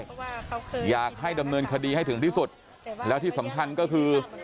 เพราะว่าอยากให้ดำเนินคดีให้ถึงที่สุดแล้วที่สำคัญก็คือ